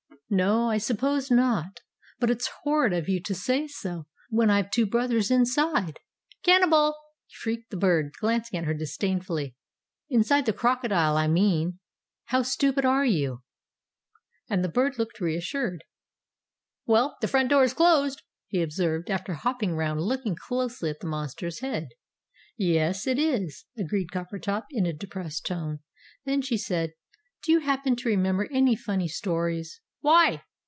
"No, I s'pose not! But it's horrid of you to say so, when I've two brothers inside!" "Cannibal!" shrieked the Bird, glancing at her disdainfully. "Inside the crocodile, I mean!" cried Coppertop. "How stupid you are!" And the Bird looked reassured. "Well, the front door is closed," he observed, after hopping round looking closely at the monster's head. "Yes, it is!" agreed Coppertop, in a depressed tone. Then she said, "Do you happen to remember any funny stories?" "Why?"